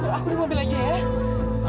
aku di mobil aja ya